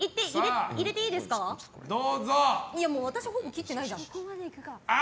私、ほぼ切ってないじゃん。